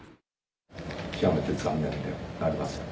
極めて残念でなりません。